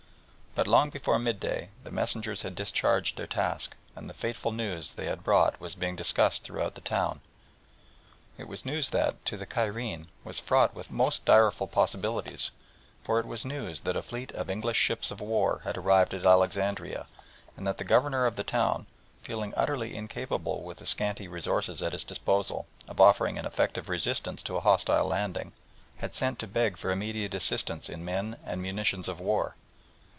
But long before mid day the messengers had discharged their task, and the fateful news they had brought was being discussed throughout the town. It was news that, to the Cairene, was fraught with most direful possibilities, for it was news that a fleet of English ships of war had arrived at Alexandria, and that the Governor of the town, feeling utterly incapable with the scanty resources at his disposal, of offering any effective resistance to a hostile landing, had sent to beg for immediate assistance in men and munitions of war.